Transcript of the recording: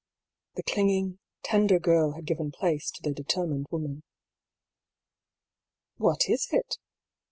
The clinging, tender girl had given place to the determined woman. « What— is it